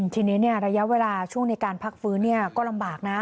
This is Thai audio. ทีนี้ระยะเวลาช่วงในการพักฟื้นก็ลำบากนะ